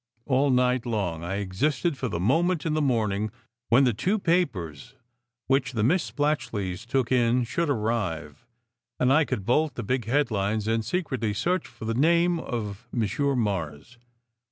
All night long I existed for the moment in the morning when the two papers which the Miss Splatchleys took in should arrive, and I could bolt the big headlines and secretly search for the name of "Monsieur Mars."